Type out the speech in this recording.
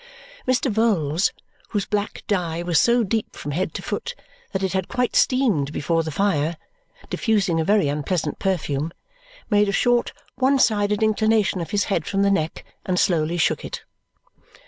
Mr. Vholes, whose black dye was so deep from head to foot that it had quite steamed before the fire, diffusing a very unpleasant perfume, made a short one sided inclination of his head from the neck and slowly shook it.